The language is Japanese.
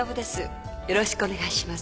よろしくお願いします。